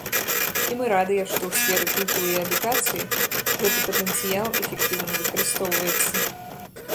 І мы радыя, што ў сферы культуры і адукацыі гэты патэнцыял эфектыўна выкарыстоўваецца.